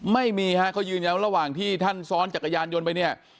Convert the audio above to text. ไม่มีฮะเขายืนยันว่าระหว่างที่ท่านซ้อนจักรยานยนต์ไปเนี่ย